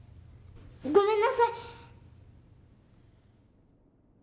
ごめんなさい！